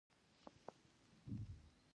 احمد په بحث کې ټپ ودرېد.